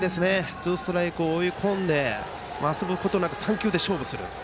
ツーストライクと追い込んで遊ぶことなく３球で勝負する。